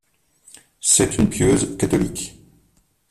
C'est une pieuse catholique.